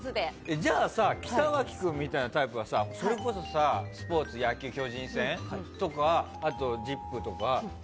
じゃあ北脇君みたいなタイプはスポーツ、野球の巨人戦とか「ＺＩＰ！」とかなんだ。